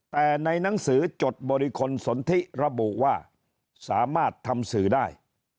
แต่ในหนังสือจดบริคลสนทิระบุว่าสามารถทำสื่อได้